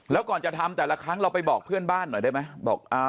แล้วก่อนจะทำแต่ละครั้งเราไปบอกเพื่อนบ้านหน่อยได้ไหมบอก